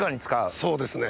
そうですね。